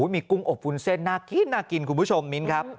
มีกุ้งอบวุ้นเส้นน่ากินน่ากินคุณผู้ชมมิ้นครับ